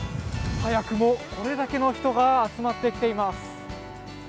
早くもこれだけの人が集まってきています。